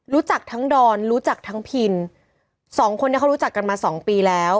รู้จักทั้งดอนรู้จักทั้งพินสองคนนี้เขารู้จักกันมาสองปีแล้ว